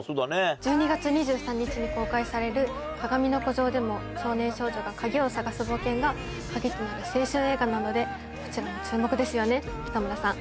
１２月２３日に公開される『かがみの孤城』でも少年少女がカギを探す冒険がカギとなる青春映画なのでこちらも注目ですよね北村さん。